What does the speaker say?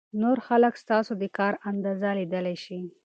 نور خلک ستاسو د کار اندازه لیدلای شي.